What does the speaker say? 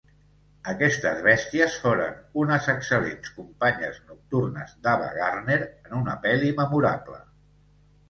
Aquestes bèsties foren unes excel·lents companyes nocturnes d'Ava Gardner en una pel·li memorable.